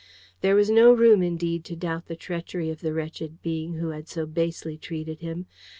There was no room, indeed, to doubt the treachery of the wretched being who had so basely treated him.